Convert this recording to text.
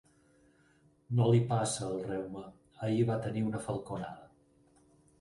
No li passa el reuma: ahir va tenir una falconada.